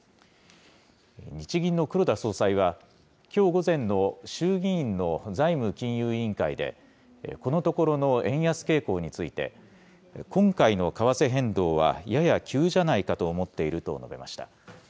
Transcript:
日銀の黒田総裁は、きょう午前の衆議院の財務金融委員会で、このところの円安傾向について、今回の為替変動はやや急じゃないかと思っていると述べました。